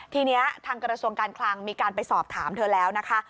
ทีนี้ทางกระทรวงการคลังมีการไปสอบถามเธอแล้วนะคะ